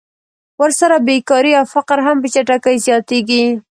ورسره بېکاري او فقر هم په چټکۍ زیاتېږي